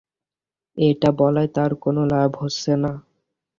এটা বলায় তাঁর কোনো লাভ হচ্ছে না।